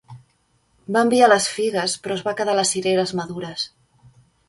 Va enviar les figues, però es va quedar les cireres madures.